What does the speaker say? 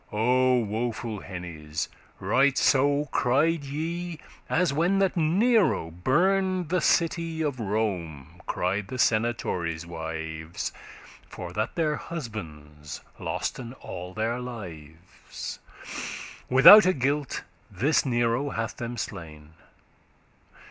O woeful hennes! right so cried ye, As, when that Nero burned the city Of Rome, cried the senatores' wives, For that their husbands losten all their lives; Withoute guilt this Nero hath them slain.